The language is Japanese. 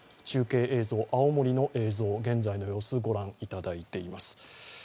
中継映像、青森の映像、現在の様子をご覧いただいています。